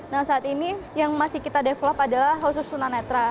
nah saat ini yang masih kita develop adalah khusus tunanetra